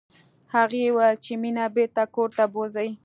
هغې وویل چې مينه بېرته کور ته بوزئ